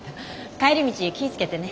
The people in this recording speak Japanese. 帰り道気ぃ付けてね。